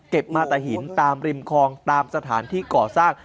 มาแต่หินตามริมคลองตามสถานที่ก่อสร้าง